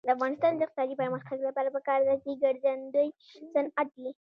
د افغانستان د اقتصادي پرمختګ لپاره پکار ده چې ګرځندوی صنعت وي.